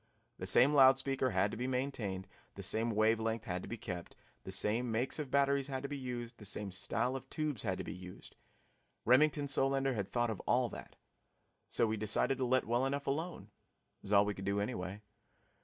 The same loud speaker had to be maintained, the same wave length had to be kept, the same makes of batteries had to be used, the same style of tubes had to be used. Remington Solander had thought of all that. So we decided to let well enough alone it was all we could do anyway.